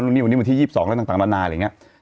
นี่วันนี้วันที่๒๒แล้วต่างนานาอะไรอย่างนี้